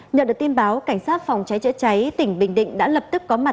nhận được tin báo cảnh sát phòng cháy chữa cháy tỉnh bình định đã lập tức có mặt